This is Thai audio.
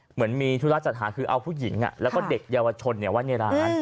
เหมือนมีธุระจัดหาคือเอาผู้หญิงแล้วก็เด็กเยาวชนไว้ในร้าน